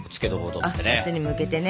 夏に向けてね。